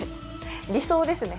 理想ですね。